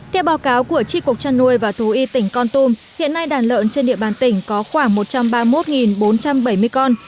theo báo cáo của tri cục chăn nuôi và thú y tỉnh con tum hiện nay đàn lợn trên địa bàn tỉnh có khoảng một trăm ba mươi một bốn trăm bảy mươi con